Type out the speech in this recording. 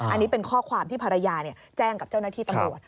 อันนี้เป็นข้อความที่ภรรยาแจ้งกับเจ้าหน้าที่ตำรวจ